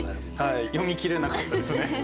読み切れなかったですね。